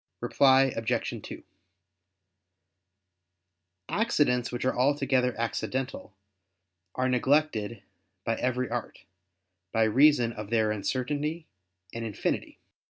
Reply Obj. 2: Accidents which are altogether accidental are neglected by every art, by reason of their uncertainty and infinity.